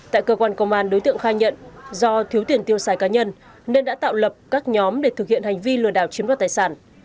tại cơ quan công an đối tượng khai nhận do thiếu tiền tiêu xài cá nhân nên đã tạo lập các nhóm để thực hiện hành vi lừa đảo chiếm đoạt tài sản